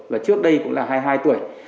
và trước đây cũng là hai mươi hai tuổi